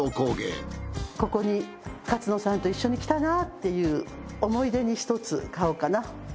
ここに勝野さんと一緒に来たなっていう思い出に１つ買おうかな。